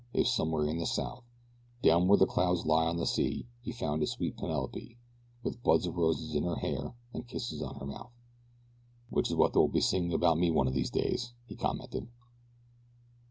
if somewhere in the South, Down where the clouds lie on the sea, he found his sweet Penelope With buds of roses in her hair and kisses on her mouth. "Which is what they will be singing about me one of these days," he commented.